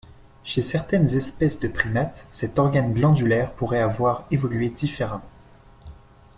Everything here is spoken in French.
Chez certaines espèces de primates, cet organe glandulaire pourrait avoir évolué différemment.